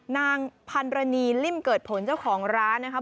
นางพันรณีริ่มเกิดผลเจ้าของร้านนะครับ